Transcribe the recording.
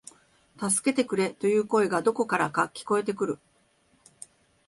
助けてくれ、という声がどこからか聞こえてくる